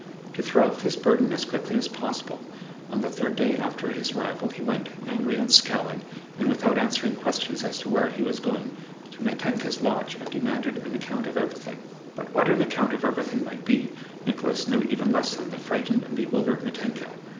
To throw off this burden as quickly as possible, on the third day after his arrival he went, angry and scowling and without answering questions as to where he was going, to Mítenka's lodge and demanded an account of everything. But what an account of everything might be Nicholas knew even less than the frightened and bewildered Mítenka.